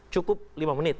cukup lima menit